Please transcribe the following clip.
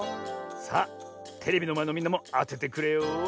さあテレビのまえのみんなもあててくれよ。